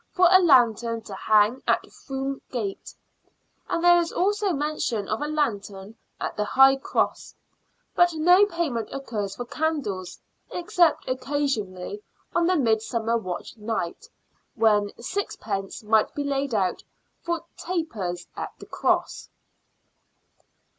for a lantern to hang at Froom Gate, and there is also mention of a lantern at the High Cross, but no payment occurs for candles, except occasionally on the Midsummer Watch night, when sixpence might be laid out for " tapers " at the Cross.